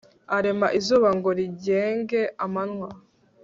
arema izuba ngo rigenge amanywa